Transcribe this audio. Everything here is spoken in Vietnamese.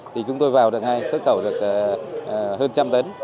thì chúng tôi vào đằng ngay xuất khẩu được hơn trăm tấn